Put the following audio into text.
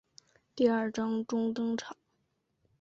第二章中登场。